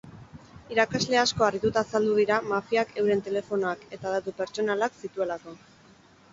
Irakasle asko harrituta azaldu dira mafiak euren telefonoak eta datu pertsonalak zituelako.